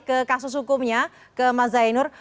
ke kasus hukumnya ke mas zainur